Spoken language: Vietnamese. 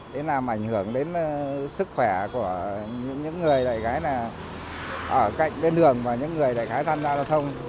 để làm ảnh hưởng đến sức khỏe của những người đại gái ở cạnh bên đường và những người đại thái tham gia giao thông